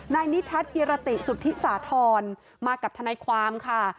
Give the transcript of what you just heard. นายนิทัศน์เฮียระติสุธิสาธรณ์มากับธนาความค่ะ